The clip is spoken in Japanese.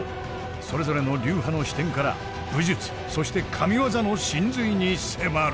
それぞれの流派の視点から武術そして神技の神髄に迫る！